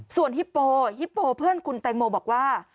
ส่วนฮิปโปฮิปโปเพื่อนคุณแตงโมบอกว่า